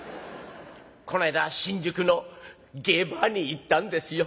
この間新宿のゲイバーに行ったんですよ。